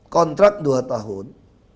kontrak dua tahun